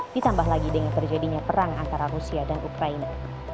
ditambah lagi dengan terjadinya perang antara rusia dan ukraina